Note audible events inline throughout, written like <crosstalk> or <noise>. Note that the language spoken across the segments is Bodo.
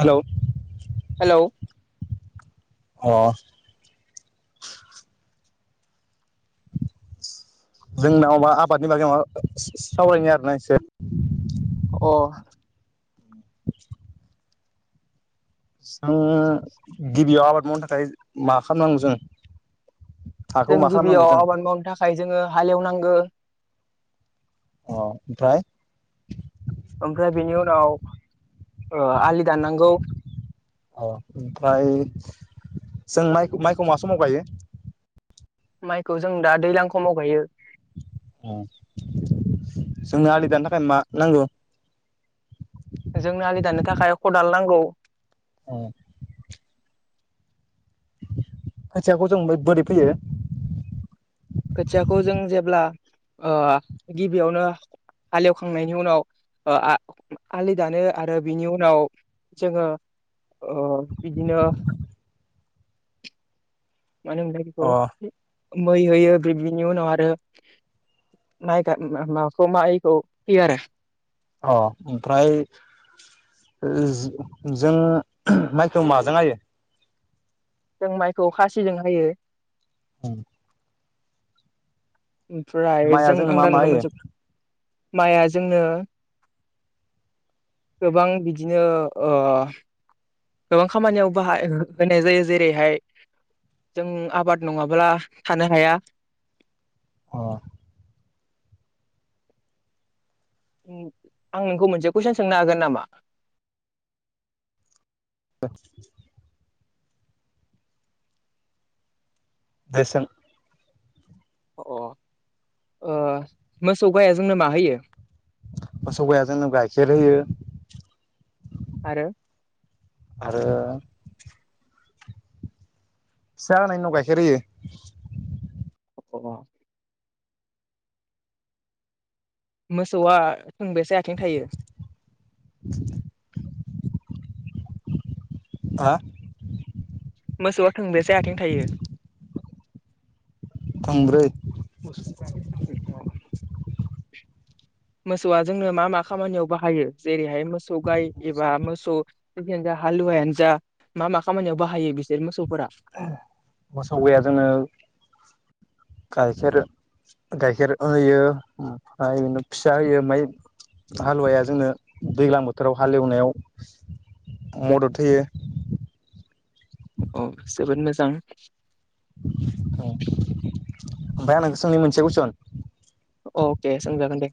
हेल'। हेलौ। अ। जोंनावबा आबादनि बागै मा सावरायनि आरोना एसे। अ। <inaudible> जों गिबियाव आबाद मावनो थाखाय मा खामनांगौ जों। हाखौ जों मा खालामनांगौ गिबियाव जों आबाद मावनो थाखाय जोङो हालेवनांगो। अ ओमफ्राय। ओमफ्राय बेनि उनाव ओ आलि दाननांगौ। अ ओमफ्राय जों माइ माइखौ माबा समाव गायो। माइखौ जों दा दैलां खमाव गायो। उ जोंनो आलि दानो थाखाय मा नांगौ। <inaudible> जोंनो आलि दाननो थाखाय खदाल नांगौ। औ। खोथियाखौ जों बोरै फैयो। खोथियाखौ जों जेब्ला ओ गिबियावनो। हाले एवखांनायनि उनाव आलि दानो आरो बिनि उनाव जोङो ओ बिदिनो मानो होना बेखौ अ मै होयो बिनि उनाव आरो माय मा मायखौ फोयो आरो अ ओमफ्राय जों माइखौ माजों हायो जों माइखौ खासिजों होयो उम ओमफ्राय माइआ जों जोंनो आं मा मा दान मोन होयो जोब माइआ जोंनो गोबां बिदिनो ओह गोबां खामानियाव बाहाय होनाय जायो। जेरैहाय जों आबाद नङाब्ला थानो हाया। अ आं नोंखौ मोनसे कुइसन सोंनो हागोन नामा? दे सों अ मोसौ गाया जोंनो माहोयो? मोसौ गाया जोंनो गाइखेर होयो। आरो आरो फिसा होनायनि उनाव गाइखेर होयो। अ मोसौआ थोंबेसे आथिं थायो। हा मोसौआ थोंबेसे आथिं थायो? थोंब्रै अ मोसौआ जोंनो मा मा खामानियाव बाहायो? जेरैहाय मोसौ गाय एबा मोसौ जाखियानो जा हालुवायानो जा मा मा खामानियाव बाहायो बिसोर मोसौफोरा मोसौ गाया जोङो गाइखेर गाइखेर होयो ओमफ्राय बिदिनो फिसा होयो ओमफाय हालुवाया जोंनो दैज्लां बोथोराव हालेवनायाव मदद होयो औ जोबोद मोजां ओमफ्राय आं नोंखौ नोंनि मोनसे कुइसन अके सोंजागोन दे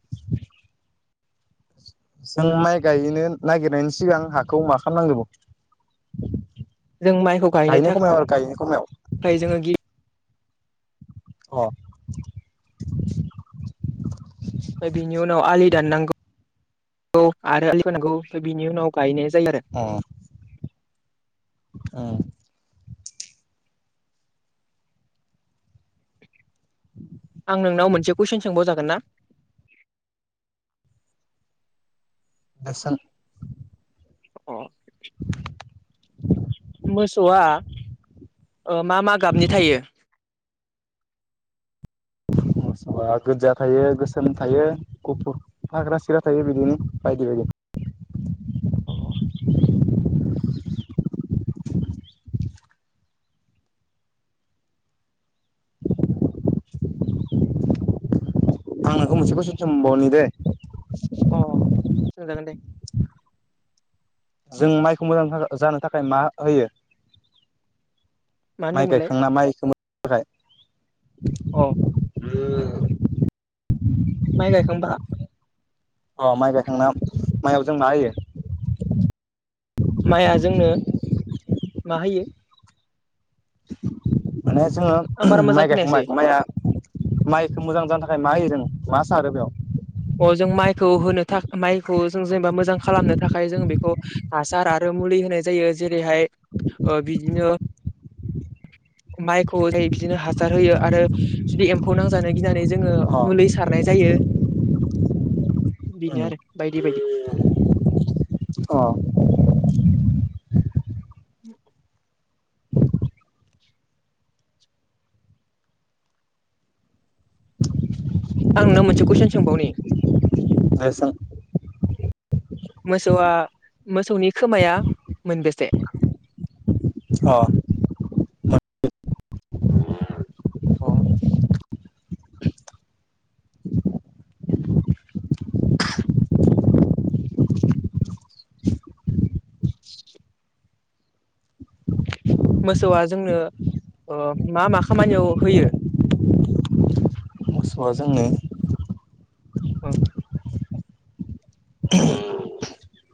<inaudible> जों माइ गायनो नागिरनायनि सिगां हाखौ मा खालामनांग्रोगौ? जों माइखौ गायनो खमायाव आरो गायनो थाखाय खमायाव जोङो गिबि अ बिनि उनाव आलि दाननांगौ आरो आलि खोनांगौ बिनि उनाव गायनो। गोन आरो औ आं नोंनाव मोनसे कुइसन सोंबाव जागोन ना। दे सों अ मोसौआ मा मा गाबनि थायो <inaudible> मोसौआ गोजा थायो गोसोम थायो गुफुर हाग्रा सिर्रा थायो बिदिनो बायदि बायदि। <inaudible> अ आं नोंखौ मोनसे कुइसन सोंबावनि दे अ सोंजागोन दे जों माइखौ मोजां जानो थाखाय मा होयो मा माइ होनदोंमोनलाय गायखांना माइ सोमोननो थाखाय औ माइ गायखांबा <unintelligible> ओ माइ गायखांना माइआव जों मा होयो माइया जोंनो मा होयो माने आं जोङो बारा मोजां माइ खोनायासै गायखांबाय माइया माइखौ मोजां जानो थाखाय मा होयो जों मा सारो बेयाव अ जों माइखौ होनो था माइखौ जों जेनेबा मोजां खालामनो थाखाय जों बेखौ हासार आरो मुलि होनाय जायो जेरैहाय ओ बिदिनो माइखौ जायो बिदिनो हासार होयो आरो जुदि एमफौ नांजानो गिनानै जोङो अ मुलि सारनाय जायो बिनो आरो अ बायदि बायदि अ <unintelligible> <unintelligible> आं नोंनाव मोनसे कुइसन सोंबावनि ए सों मोसौआ मोसौनि खोमाया मोनबेसे अ अ मोसौआ जोंनो ओ मा मा खामानियाव होयो <unintelligible> मोसौआ जोंनो ओं <unintelligible>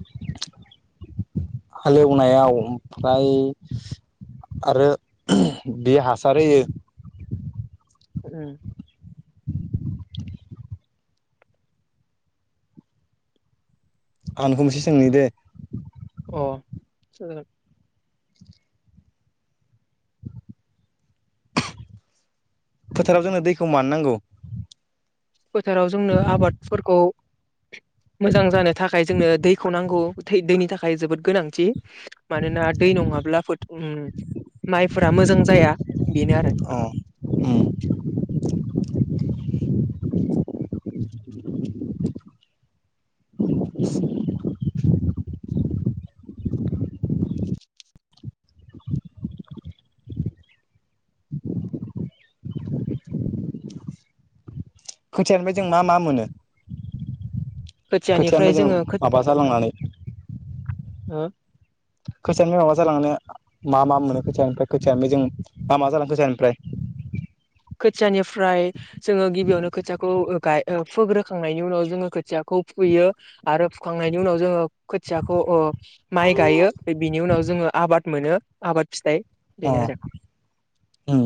हालेवनायाव ओमफ्राय आरो बे हासार होयो उम आं नोंखौ मोनसे सोंनि दे अ जागोन फोथाराव जोंनो दैखौ मानो नांगौ फोथाराव जोंनो आबादफोरखौ मोजां जानो थाखाय जोंनो दैखौ नांगौ दैनि थाखाय जोबोद गोनांथि मानोना दै नङाब्ला फोथ ओ माइफोरा मोजां जाया बेनो आरो औ उम <unintelligible> <unintelligible> खोथियानिफ्राय जों मा मा मोनो खोथियानिफ्राय जोङो खो जोंङो माबा जालांनानै <unintelligible> खोथियानो माबा जालांनो मा मा मोनो खोथियानिफ्राय खोथियानो बेजों मा मा जालाङो खोथियानिफ्राय <unintelligible> खोथियानिफ्राय जोङो गिबियावनो खोथियाखौ ओ गाय फोग्रोखांनायनि उनाव जोङो खोथियाखौ फुयो आरो फुखांनायनि उनाव जोङो खोथियाखौ ओ माइ गायो बिनि उनाव जोङो आबाद मोनो आबाद फिथाइ अ बेनो आरो उम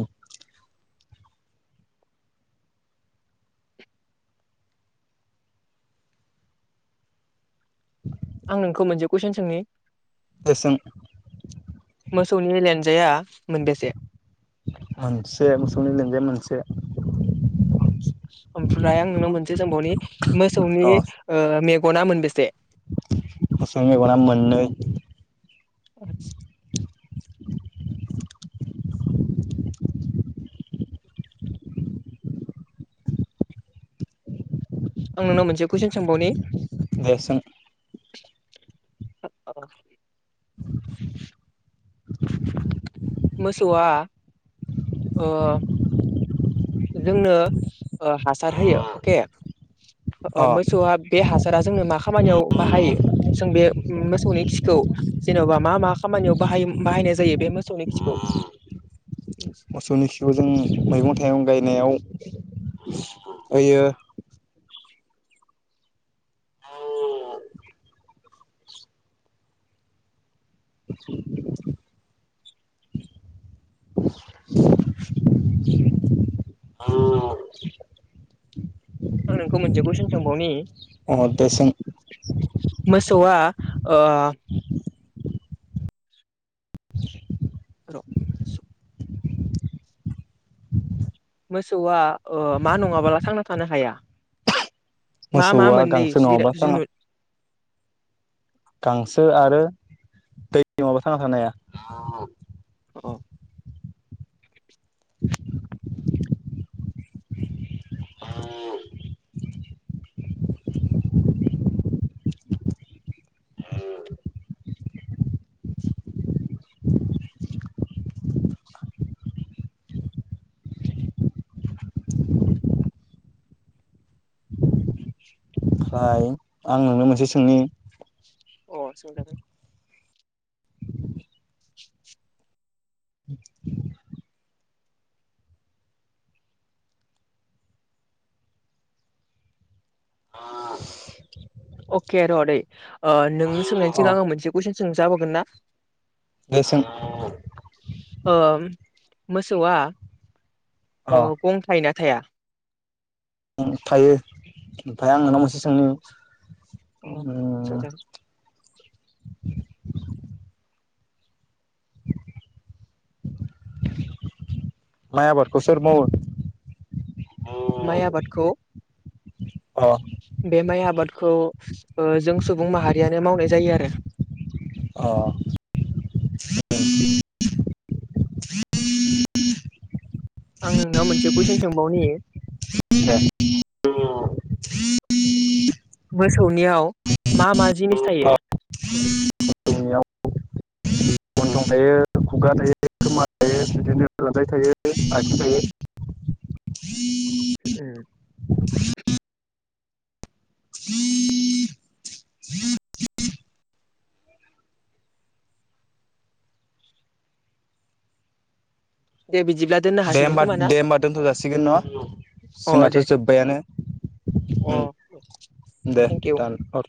आं नोंखौ मोनसे कुइसन सोंनि दे‌ सों मोसौनि लानजाइया मोनबेसे मोनसे मोसौनि लानजाइया मोनसे ओमफ्राय आं नोंनाव मोनसे सोंबावनि मोसौनि ओ मेग गना मोनबेसे? मोसौनि मेगना मोननै। आतसा। <inaudible> आं नोंनाव मोनसे कुइसन सोंबावनि? दे सों। <inaudible> मोसौवा ओ जोंनो ओ हासार होयो अके। अ ओ मोसौआ बे हासारा जोंनो माख खामानियाव बाहायो जों बे मोसौनि खिखौ जेन'बा मा मा खामानियाव बाहायो बाहायनाय जायो बे मोसौनि खिखौ? <inaudible> मोसौनि खिखौ जों मैगं थाइगं गायनायाव होयो। <inaudible> <inaudible> आं नोंखौ मोनसे कुइसन सोंबावनि? अ दे सों। ओ‌ र सौ मोसौआ ओ मा नङाबाला थांना थानो हाया? मा मा मोसौआ मोननै गांसो जिरा नङाबा थांआ जुनुद गांसो आरो दै नङाबा थांना थानो हाया। अ <inaudible> <inaudible> <inaudible> ओमफ्राय आं नोंनो मोनसे सोंनि? अ सोंजागोन। <inaudible> <inaudible> <inaudible> अके र' दैे ओ नों सोंनायनि अ सिगां आङो मोनसे कुइसन सोंजाबावगोन ना? दे सों ओम मोसौआ अ ओ गं थायो ना थाया? गं थायो ओमफ्राय आं नोंनाव मोनसे सों अ जोंङो ओ सोंजागोन माय आबादखौ सोर मावो? माइ आबादखौ अ बे माइ आ बादखौ ओ जों सुबुं माहारियानो मावनाय जायो आरो। अ। आं नोंनाव मोनसे कुइसन सोंबावनि? <inaudible> मोसौनियाव मा मा जिनिस थायो? <inaudible> खुगा थायो, खोमा थायो। बिदिनो लान्जाय थायो, आसि थायो। ओ <inaudible> दे बिदि दे होमबा दे होमबा दोनथ' जासिगोन न' अ जोंनाथ' दे जोब्बायानो। अ दे थेंक इउ दानहर